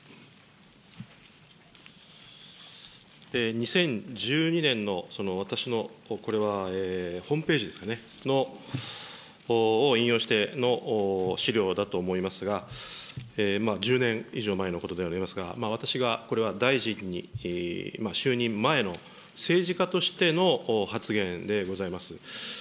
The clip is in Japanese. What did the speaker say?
２０１２年のその私のこれはホームページですかね、これを引用しての資料だと思いますが、１０年以上前のことでありますが、私がこれは大臣に就任前の政治家としての発言でございます。